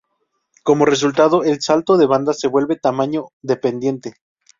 Como resultado, el salto de banda se vuelve tamaño-dependiente.